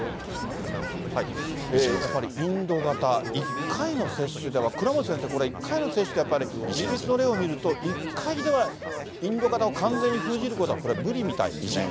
やっぱりインド型、１回の接種では、倉持先生、これ、１回の接種では、やっぱりイギリスの例を見ると、１回ではインド型を完全に封じることは、これは無理みたいですね。